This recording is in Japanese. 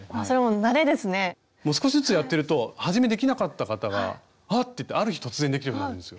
少しずつやってるとはじめできなかった方があっ！って言ってある日突然できるようになるんですよ。